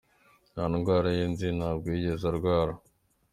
Nta ndwara ye nzi, ntabwo yigeze arwara.